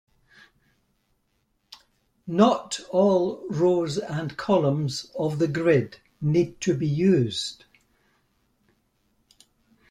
Not all rows and columns of the grid need to be used.